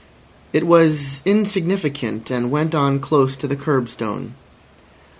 It was insignificant, and went on close to the curbstone.